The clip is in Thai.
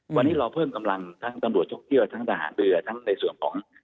วันนี้เราเพิ่มกำลังทั้งตำรวจท่องเที่ยวทั้งทหารเรือทั้งในส่วนของ